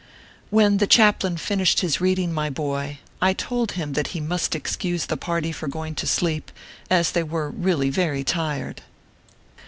When the chaplain finished his reading, my boy, I told him that he must excuse the party for going to sleep, as they were really very tired.